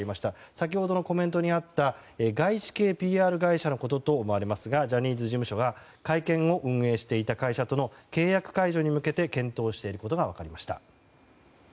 先ほどのコメントにあった外資系ＰＲ会社のことと思われますがジャニーズ事務所が会見を運営していた会社との契約解除に向けて検討していることが分かりました。